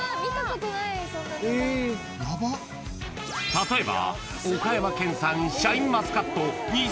［例えば］